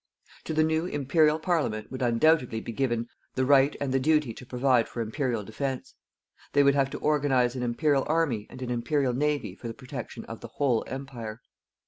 To the new Imperial Parliament would undoubtedly be given the right and the duty to provide for Imperial defense. They would have to organize an Imperial army and an Imperial navy for the protection of the whole Empire.